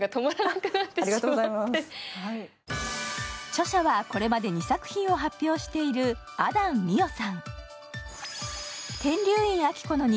著者はこれまで２作品を発表している安壇美緒さん。